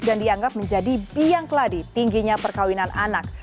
dan dianggap menjadi biang keladi tingginya perkahwinan anak